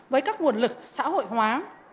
với các nguồn lực xã hội hóa